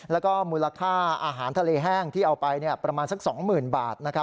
แล้วก็มูลค่าอาหารทะเลแห้งที่เอาไปประมาณสักสองหมื่นบาทนะครับ